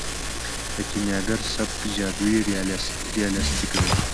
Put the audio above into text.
د کیمیاګر سبک جادويي ریالستیک دی.